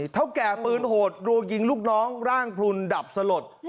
เท่าแก่ปืนโหดรัวยิงลูกน้องร่างพลุนดับสลด